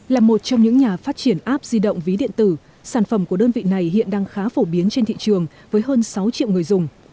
là một trong những nhà phát triển app di động ví điện tử sản phẩm của đơn vị này hiện đang khá phổ biến trên thị trường với hơn sáu triệu người dùng